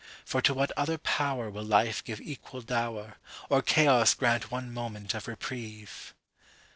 For to what other powerWill life give equal dower, Or chaos grant one moment of reprieve!